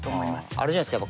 あれじゃないですか